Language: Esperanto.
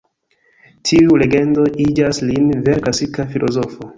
Tiuj legendoj iĝas lin vere klasika filozofo.